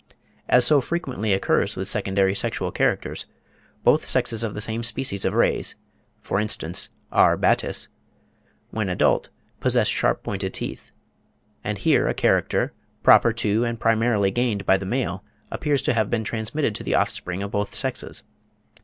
As so frequently occurs with secondary sexual characters, both sexes of some species of rays (for instance R. batis), when adult, possess sharp pointed teeth; and here a character, proper to and primarily gained by the male, appears to have been transmitted to the offspring of both sexes.